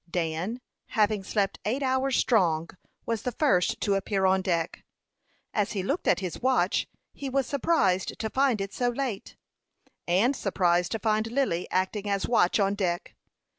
Dan, having slept eight hours strong, was the first to appear on deck. As he looked at his watch he was surprised to find it so late, and surprised to find Lily acting as watch on deck.